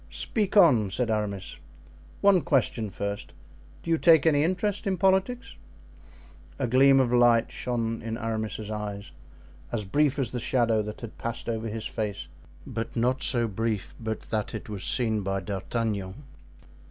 "Speak on," said Aramis. "One question first. Do you take any interest in politics?" A gleam of light shone in Aramis's eyes, as brief as the shadow that had passed over his face, but not so brief but that it was seen by D'Artagnan.